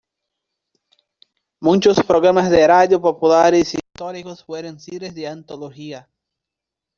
Muchos programas de radio populares e históricos fueron series de antología.